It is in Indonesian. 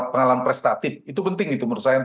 pengalaman prestatif itu penting menurut saya